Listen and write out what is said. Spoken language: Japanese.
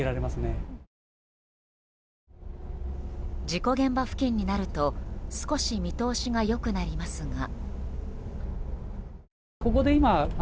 事故現場付近になると少し見通しが良くなりますが。